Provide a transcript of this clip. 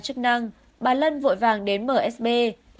chức năng bà lân vội vàng đến msb yêu cầu đưa tiền cho bà lân